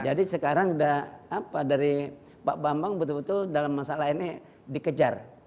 jadi sekarang dari pak bambang betul betul dalam masalah ini dikejar